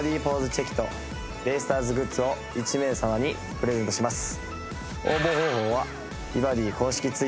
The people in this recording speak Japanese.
チェキとベイスターズグッズを１名様にプレゼントします